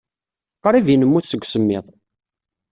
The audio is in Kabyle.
Qrib ay nemmut seg usemmiḍ.